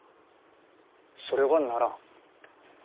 それはならん。